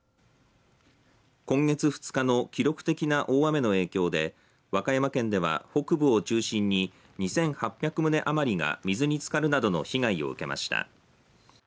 今月２日の記録的な大雨の影響で和歌山県では北部を中心に２８００棟余りが水につかるなどの被害を受けました。